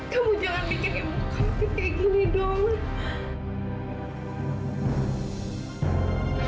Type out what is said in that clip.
kamu jangan mikirin kamu pikir kayak gini doang